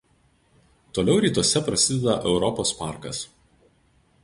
Toliau rytuose prasideda Europos parkas.